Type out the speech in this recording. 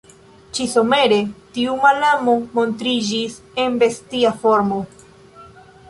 Ĉi-somere tiu malamo montriĝis en bestia formo.